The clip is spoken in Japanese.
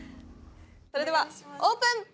それではオープン。